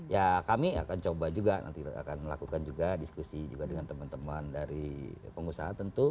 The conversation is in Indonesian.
ya kami akan coba juga nanti akan melakukan juga diskusi juga dengan teman teman dari pengusaha tentu